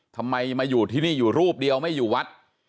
ทำไมมาอยู่ที่นี่อยู่รูปเดียวไม่อยู่วัด